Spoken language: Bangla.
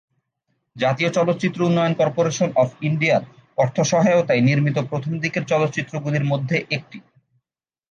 জাতীয় চলচ্চিত্র উন্নয়ন কর্পোরেশন অফ ইন্ডিয়ার অর্থ সহায়তায় নির্মিত প্রথম দিকের চলচ্চিত্রগুলির মধ্যে একটি।